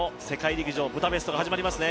陸上ブダペストが始まりますね。